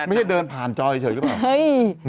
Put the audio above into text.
เดินผ่านจอเฉยหรือเปล่า